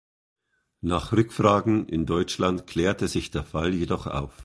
Nach Rückfragen in Deutschland klärte sich der Fall jedoch auf.